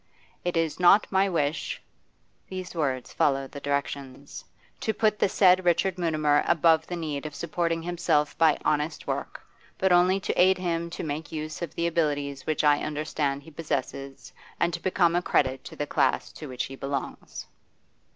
'It is not my wish' these words followed the directions 'to put the said Richard Mutimer above the need of supporting himself by honest work, but only to aid him to make use of the abilities which I understand he possesses, and to become a credit to the class to which he belongs.